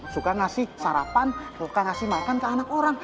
suka ngasih sarapan suka ngasih makan ke anak orang